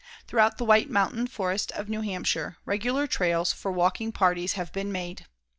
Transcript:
Throughout the White Mountain forest of New Hampshire, regular trails for walking parties have been made.